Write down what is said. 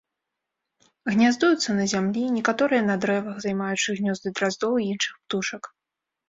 Гняздуюцца на зямлі, некаторыя на дрэвах, займаючы гнёзды драздоў і іншых птушак.